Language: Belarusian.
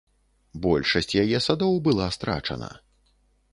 Большасць яе садоў была страчана.